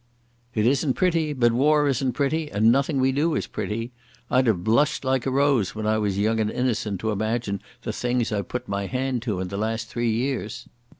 "It isn't pretty, but war isn't pretty, and nothing we do is pretty. I'd have blushed like a rose when I was young and innocent to imagine the things I've put my hand to in the last three years.